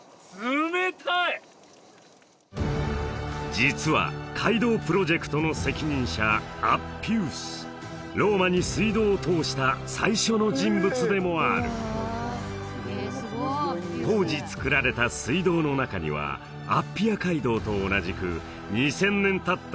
実は街道プロジェクトの責任者アッピウスローマに水道を通した最初の人物でもある当時つくられた水道の中にはアッピア街道と同じく２０００年たった